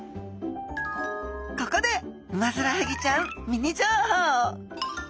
ここでウマヅラハギちゃんミニ情報。